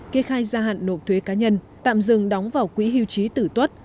kê khai gia hạn nộp thuế cá nhân tạm dừng đóng vào quỹ hưu trí tử tuất